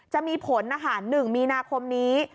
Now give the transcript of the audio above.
จะมีผล๑มีนาคมนี้